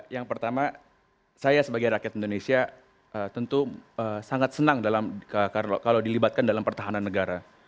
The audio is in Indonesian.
yang pertama saya sebagai rakyat indonesia tentu sangat senang kalau dilibatkan dalam pertahanan negara